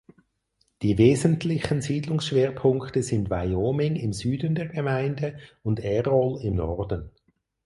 Die wesentlichen Siedlungsschwerpunkte sind Wyoming im Süden der Gemeinde und Errol im Norden.